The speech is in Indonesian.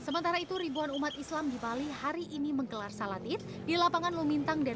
sementara itu ribuan umat islam di bali hari ini menggelar salat id di lapangan lumintang dan